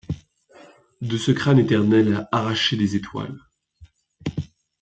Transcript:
De ce crâne éternel arracher les étoiles ;